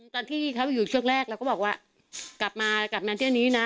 ตอนที่เขาอยู่ช่วงแรกเราก็บอกว่ากลับมากลับนั้นเที่ยวนี้นะ